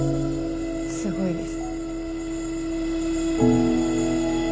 すごいです。